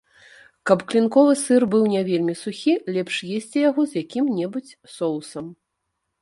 Каб клінковы сыр быў не вельмі сухі, лепш есці яго з якім-небудзь соусам.